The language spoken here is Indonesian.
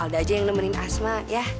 alda aja yang nemenin asma ya